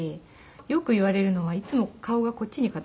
よく言われるのはいつも顔がこっちに傾いてるって。